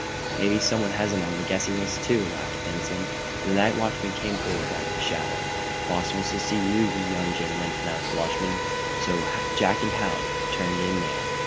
"Maybe some one has him on the guessinglist, too," laughed Benson The night watchman came forward out of a shadow. "Boss wants to see you young gentlemen," announced the watchman. So Jack and Hal turned in there.